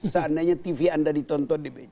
seandainya tv anda ditonton di bca